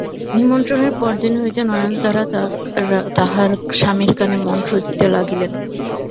নিমন্ত্রণের পরদিন হইতে নয়নতারা তাঁহার স্বামীর কানে মন্ত্র দিতে লাগিলেন।